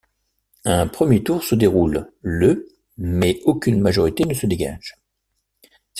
Un premier tour se déroule le mais aucune majorité ne se dégage.